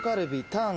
タン。